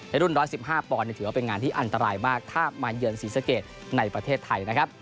ในรุ่นร้อน๑๕ปถือว่าเป็นงานที่อันตรายมากถ้ามาเยินสีสเกจในประเทศไทยนะครับ